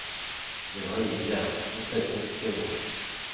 Lebɣi yella, ifadden kkawen.